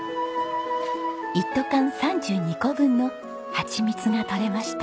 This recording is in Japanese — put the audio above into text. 一斗缶３２個分のハチミツがとれました。